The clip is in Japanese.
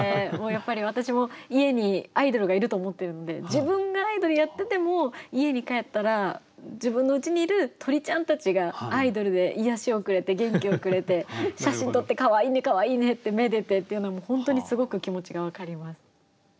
自分がアイドルやってても家に帰ったら自分のうちにいる鳥ちゃんたちがアイドルで癒やしをくれて元気をくれて写真撮ってかわいいねかわいいねってめでてっていうのも本当にすごく気持ちが分かります。